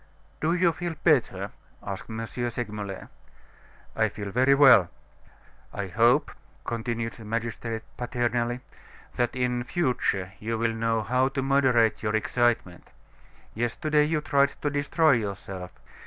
"Do you feel better?" asked M. Segmuller. "I feel very well." "I hope," continued the magistrate, paternally, "that in future you will know how to moderate your excitement. Yesterday you tried to destroy yourself.